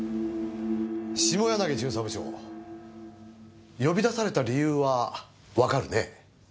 下柳巡査部長呼び出された理由はわかるね？